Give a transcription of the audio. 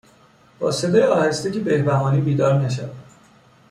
با صدای آهسته که بهبهانی بیدار نشود